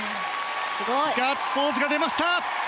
ガッツポーズが出ました！